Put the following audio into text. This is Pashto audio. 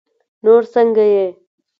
نور سنګه یی